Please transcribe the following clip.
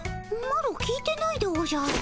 マロ聞いてないでおじゃる。